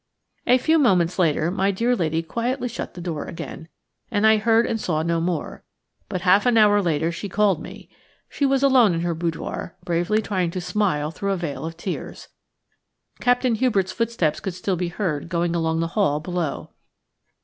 A few moments later my dear lady quietly shut the door again, and I heard and saw no more; but half an hour later she called me. She was alone in her boudoir, bravely trying to smile through a veil of tears. Captain Hubert's footsteps could still be heard going along the hall below.